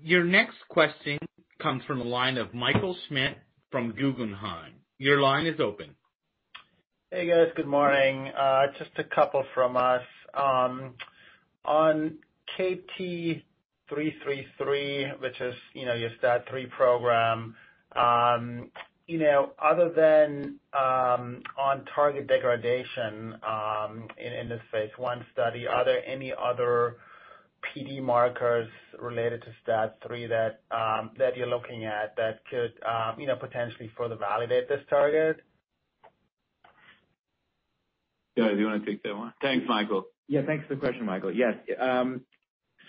Your next question comes from the line of Michael Schmidt from Guggenheim. Your line is open. Hey, guys. Good morning. Just a couple from us. On KT-333, which is, you know, your STAT3 program, you know, other than on-target degradation, in this phase I study, are there any other PD markers related to STAT3 that you're looking at that could, you know, potentially further validate this target? Jared, do you wanna take that one? Thanks, Michael. Yeah, thanks for the question, Michael.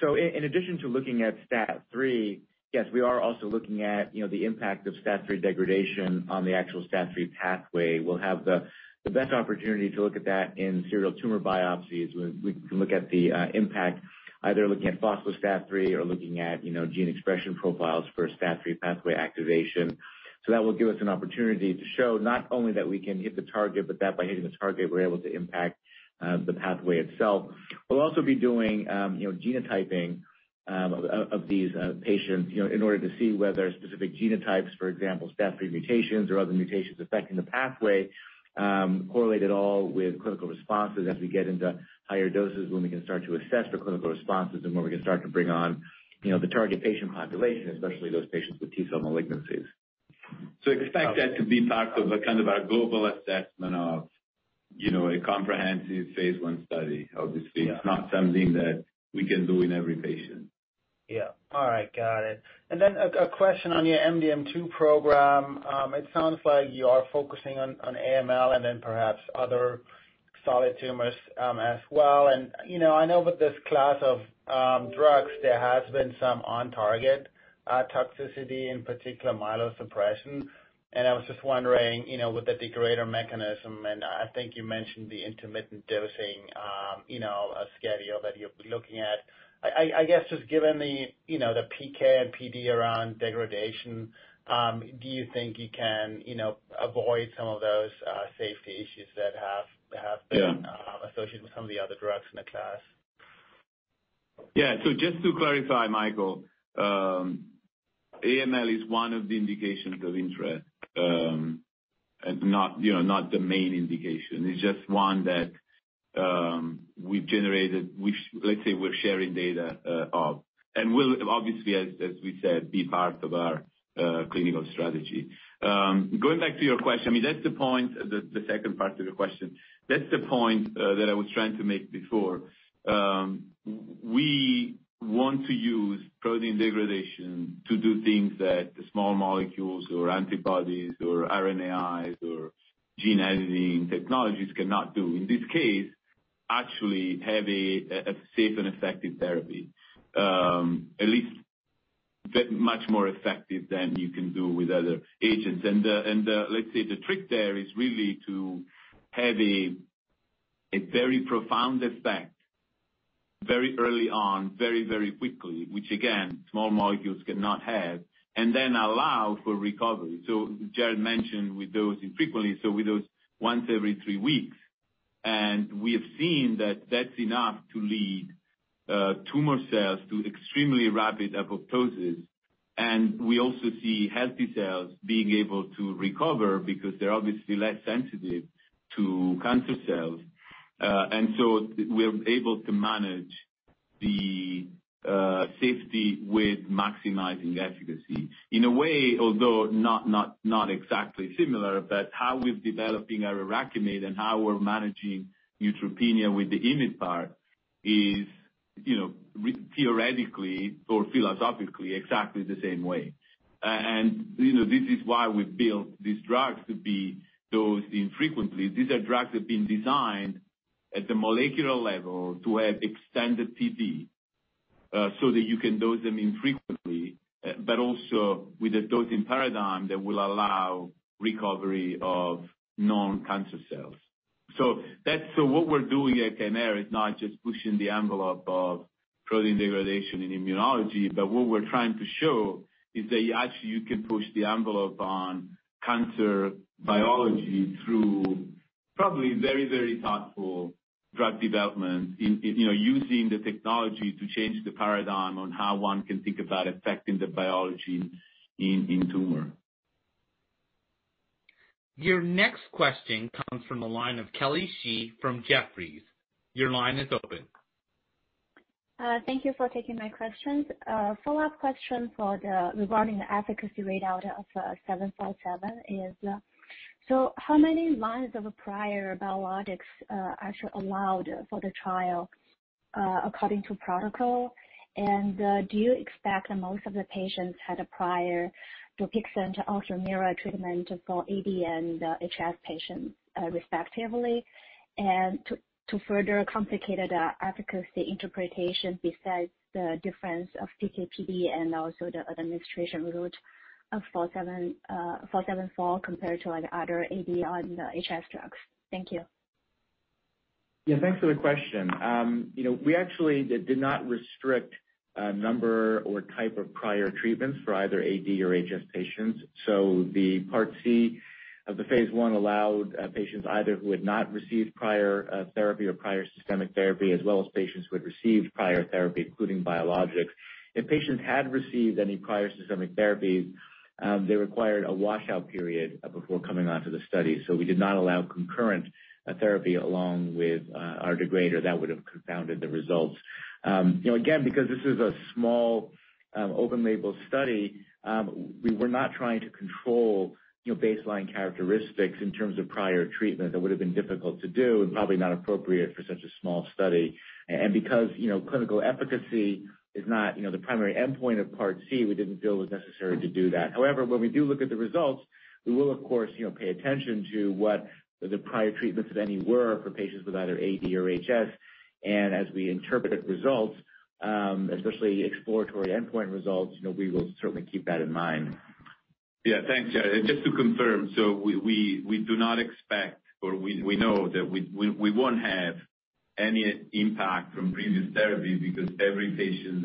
Yes. In addition to looking at STAT3, yes, we are also looking at, you know, the impact of STAT3 degradation on the actual STAT3 pathway. We'll have the best opportunity to look at that in serial tumor biopsies, where we can look at the impact, either looking at phospho-STAT3 or looking at, you know, gene expression profiles for STAT3 pathway activation. That will give us an opportunity to show not only that we can hit the target, but that by hitting this target, we're able to impact the pathway itself. We'll also be doing, you know, genotyping of these patients, you know, in order to see whether specific genotypes, for example, STAT3 mutations or other mutations affecting the pathway, correlate at all with clinical responses as we get into higher doses when we can start to assess for clinical responses and when we can start to bring on, you know, the target patient population, especially those patients with T-cell malignancies. expect that to be part of a kind of our global assessment of, you know, a comprehensive phase I study. Obviously. Yeah. It's not something that we can do in every patient. Yeah. All right. Got it. A question on your MDM2 program. It sounds like you are focusing on AML and then perhaps other solid tumors as well. You know, I know with this class of drugs, there has been some on-target toxicity, in particular myelosuppression. I was just wondering, you know, with the degrader mechanism, and I guess just given the, you know, the PK and PD around degradation, do you think you can, you know, avoid some of those safety issues that have been- Yeah. associated with some of the other drugs in the class? Yeah. Just to clarify, Michael, AML is one of the indications of interest, and not, you know, not the main indication. It's just one that we've generated, let's say we're sharing data of, and will obviously, as we said, be part of our clinical strategy. Going back to your question, I mean, that's the point, the second part of your question. That's the point, that I was trying to make before. We want to use protein degradation to do things that small molecules or antibodies or RNAs or gene editing technologies cannot do. In this case, actually have a safe and effective therapy, at least much more effective than you can do with other agents. Let's say the trick there is really to have a very profound effect very early on, very quickly, which again, small molecules cannot have, and then allow for recovery. Jared mentioned we dose infrequently, so we dose once every three weeks. We have seen that that's enough to lead tumor cells to extremely rapid apoptosis. We also see healthy cells being able to recover because they're obviously less sensitive to cancer cells. We're able to manage the safety with maximizing efficacy. In a way, although not exactly similar, but how we're developing our IRAKIMiD and how we're managing neutropenia with the IMiD part is, you know, theoretically or philosophically exactly the same way. You know, this is why we built these drugs to be dosed infrequently. These are drugs that have been designed at the molecular level to have extended PD, so that you can dose them infrequently, but also with a dosing paradigm that will allow recovery of non-cancer cells. What we're doing at Kymera is not just pushing the envelope of protein degradation in immunology, but what we're trying to show is that actually you can push the envelope on cancer biology through probably very, very thoughtful drug development in, you know, using the technology to change the paradigm on how one can think about affecting the biology in tumor. Your next question comes from the line of Kelly Shi from Jefferies. Your line is open. Thank you for taking my questions. A follow-up question regarding the efficacy readout of 757 is, so how many lines of prior biologics are allowed for the trial according to protocol? Do you expect most of the patients had a prior Dupixent or Xolair treatment for AD and HS patients, respectively? To further complicate it, regulatory interpretation besides the difference of PK/PD and also the administration route of 474 compared to, like, other AD and HS drugs. Thank you. Yeah, thanks for the question. You know, we actually did not restrict a number or type of prior treatments for either AD or HS patients. The Part C of the phase I allowed patients either who had not received prior therapy or prior systemic therapy, as well as patients who had received prior therapy, including biologics. If patients had received any prior systemic therapies, they required a washout period before coming onto the study. We did not allow concurrent therapy along with our degrader. That would have confounded the results. You know, again, because this is a small open label study, we were not trying to control you know, baseline characteristics in terms of prior treatment. That would have been difficult to do and probably not appropriate for such a small study. Because, you know, clinical efficacy is not, you know, the primary endpoint of Part C, we didn't feel it was necessary to do that. However, when we do look at the results, we will of course, you know, pay attention to what the prior treatments, if any, were for patients with either AD or HS. As we interpret results, especially exploratory endpoint results, you know, we will certainly keep that in mind. Yeah. Thanks, Jared. Just to confirm, we do not expect or we know that we won't have any impact from previous therapies because every patient,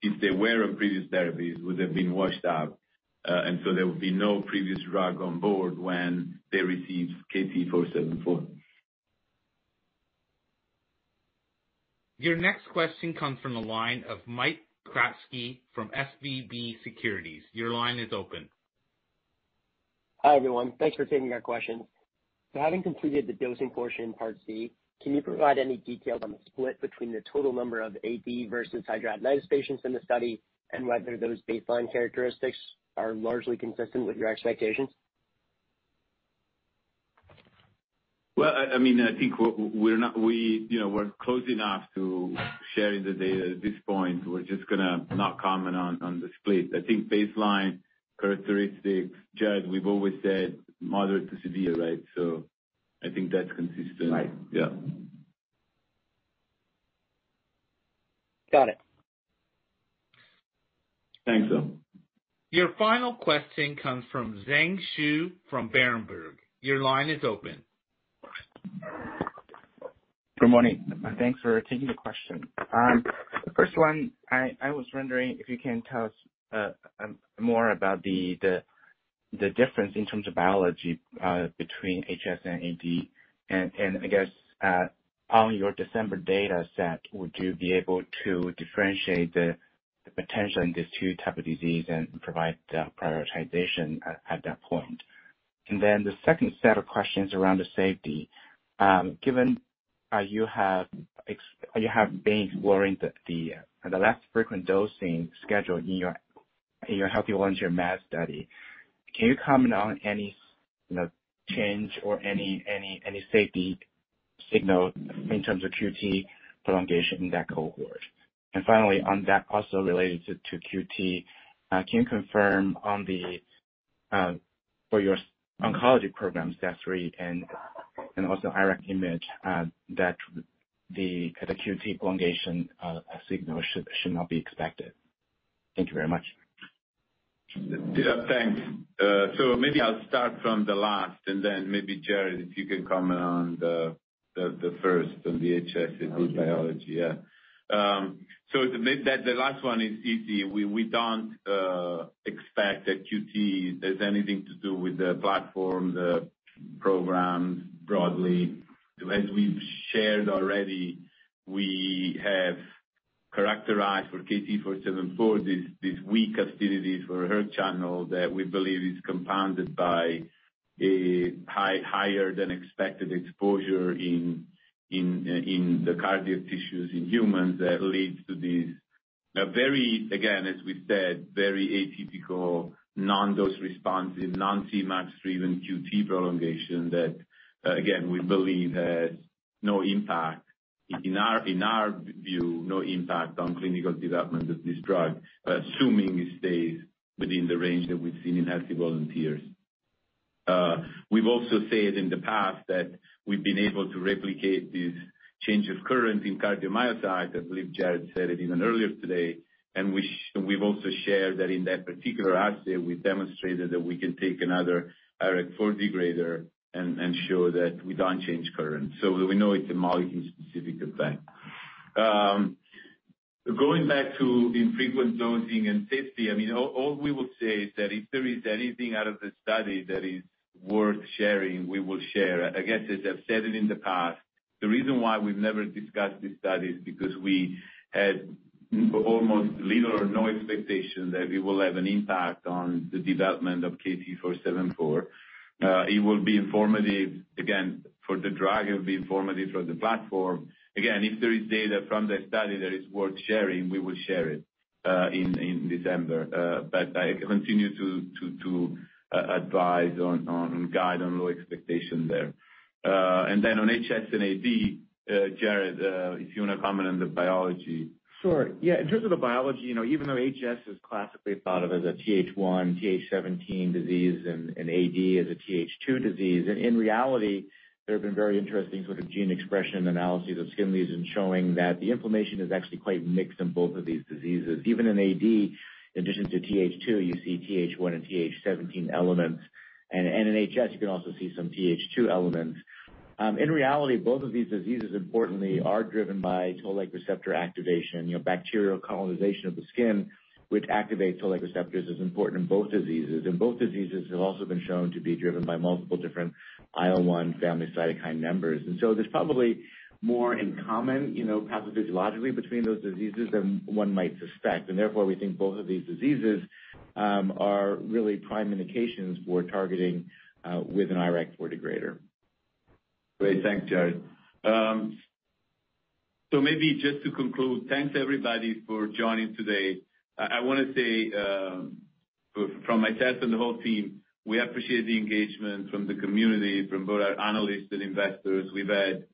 if they were on previous therapies, would have been washed out. There will be no previous drug on board when they receive KT-474. Your next question comes from the line of Mike Kratky from SVB Securities. Your line is open. Hi, everyone. Thanks for taking our questions. Having completed the dosing portion in Part C, can you provide any detail on the split between the total number of AD versus hidradenitis patients in the study and whether those baseline characteristics are largely consistent with your expectations? Well, I mean, I think we're close enough to sharing the data at this point. We're just gonna not comment on the split. I think baseline characteristics, Jared, we've always said moderate to severe, right? I think that's consistent. Right. Yeah. Got it. Thanks. Your final question comes from Zheng Xu from Berenberg. Your line is open. Good morning, and thanks for taking the question. First one, I was wondering if you can tell us more about the difference in terms of biology, between HS and AD, and I guess, on your December data set, would you be able to differentiate the potential in these two type of disease and provide the prioritization at that point? Then the second set of questions around the safety. Given you have been exploring the less frequent dosing schedule in your healthy volunteer MAD study, can you comment on any, you know, change or any safety signal in terms of QT prolongation in that cohort? Finally, on that also related to QT, can you confirm, for your oncology programs, KT-333 and also IRAKIMiD, that the QT prolongation signal should not be expected? Thank you very much. Yeah, thanks. So maybe I'll start from the last and then maybe Jared, if you can comment on the first on the HS and good biology. Yeah. So the last one is easy. We don't expect that QTC has anything to do with the platform, the programs broadly. As we've shared already, we have characterized for KT-474 this weak affinity for hERG channel that we believe is compounded by a higher than expected exposure in the cardiac tissues in humans that leads to a very, again, as we said, very atypical non-dose response and non-Cmax driven QTC prolongation that, again, we believe has no impact. In our view, no impact on clinical development of this drug, assuming it stays within the range that we've seen in healthy volunteers. We've also said in the past that we've been able to replicate this change of current in cardiomyocytes. I believe Jared said it even earlier today. We've also shared that in that particular assay, we've demonstrated that we can take another IRAK4 degrader and show that we don't change current. So we know it's a molecule-specific event. Going back to infrequent dosing and safety, I mean, all we will say is that if there is anything out of the study that is worth sharing, we will share. I guess, as I've said it in the past, the reason why we've never discussed this study is because we had almost little or no expectation that we will have an impact on the development of KT474. It will be informative, again, for the drug. It'll be informative for the platform. Again, if there is data from the study that is worth sharing, we will share it in December. I continue to advise on guiding low expectations there. On HS and AD, Jared, if you wanna comment on the biology. Sure. Yeah. In terms of the biology, you know, even though HS is classically thought of as a Th1, Th17 disease and AD as a Th2 disease, in reality, there have been very interesting sort of gene expression analyses of skin lesions showing that the inflammation is actually quite mixed in both of these diseases. Even in AD, in addition to Th2, you see Th1 and Th17 elements. In HS, you can also see some Th2 elements. In reality, both of these diseases, importantly, are driven by toll-like receptor activation. You know, bacterial colonization of the skin, which activates toll-like receptors, is important in both diseases. Both diseases have also been shown to be driven by multiple different IL-1 family cytokine members. There's probably more in common, you know, pathophysiologically between those diseases than one might suspect. Therefore, we think both of these diseases are really prime indications for targeting with an IRAK4 degrader. Great. Thanks, Jared. Maybe just to conclude, thanks everybody for joining today. I wanna say, from myself and the whole team, we appreciate the engagement from the community, from both our analysts and investors. We've had,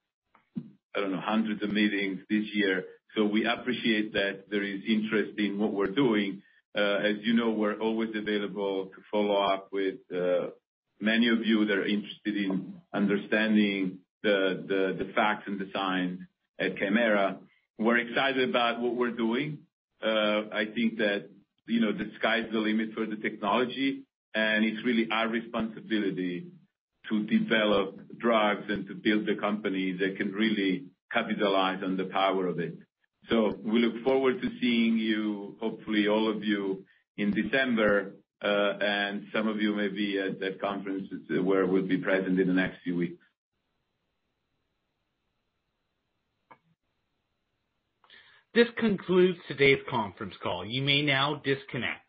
I don't know, hundreds of meetings this year. We appreciate that there is interest in what we're doing. As you know, we're always available to follow up with many of you that are interested in understanding the facts and designs at Kymera. We're excited about what we're doing. I think that, you know, the sky's the limit for the technology, and it's really our responsibility to develop drugs and to build the company that can really capitalize on the power of it. We look forward to seeing you, hopefully all of you, in December, and some of you may be at conferences where we'll be present in the next few weeks. This concludes today's conference call. You may now disconnect.